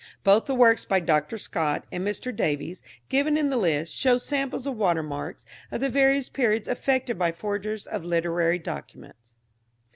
Both the works by Dr. Scott and Mr. Davies, given in the list, show samples of watermarks of the various periods affected by forgers of literary documents.